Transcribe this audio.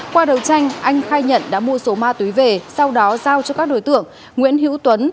qua đầu tranh anh khai nhận đã mua số ma túy về sau đó giao cho các đối tượng nguyễn hữu tuấn